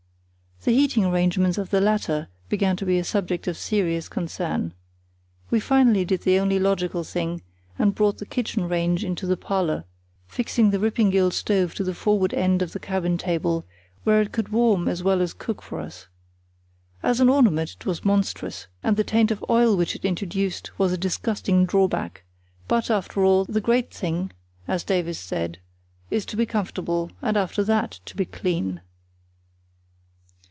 The heating arrangements of the latter began to be a subject of serious concern. We finally did the only logical thing, and brought the kitchen range into the parlour, fixing the Rippingille stove on the forward end of the cabin table, where it could warm as well as cook for us. As an ornament it was monstrous, and the taint of oil which it introduced was a disgusting drawback; but, after all, the great thing—as Davies said—is to be comfortable, and after that to be clean.